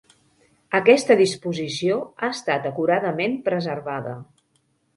Aquesta disposició ha estat acuradament preservada.